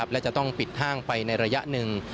และจะต้องปิดห้างไปในระยะหนึ่ง